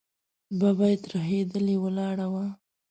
ببۍ ترهېدلې ولاړه وه.